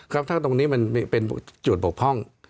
ครับถ้าตรงนี้มันเป็นจุดบกพร่อง